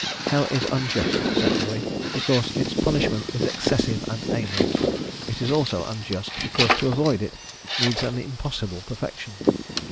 Hell is unjust, secondly, because its punishment is excessive and aimless. It is also unjust, because to avoid it needs an impossible perfection.